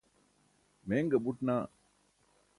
meeṅa buṭ naa